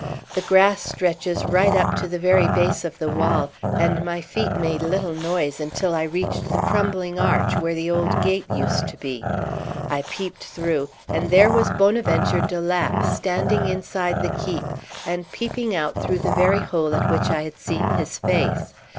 The grass stretches right up to the very base of the wall, and my feet made little noise until I reached the crumbling arch where the old gate used to be. I peeped through, and there was Bonaventure de Lapp standing inside the keep, and peeping out through the very hole at which I had seen his face.